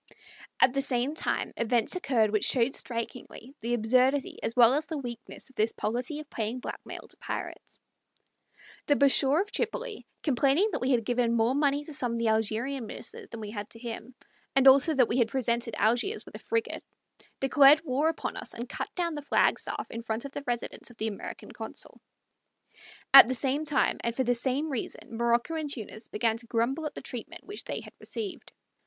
At the same time events occurred which showed strikingly the absurdity as well as the weakness of this policy of paying blackmail to pirates. The Bashaw of Tripoli, complaining that we had given more money to some of the Algerian ministers than we had to him, and also that we had presented Algiers with a frigate, declared war upon us, and cut down the flag staff in front of the residence of the American consul. At the same time, and for the same reason, Morocco and Tunis began to grumble at the treatment which they had received.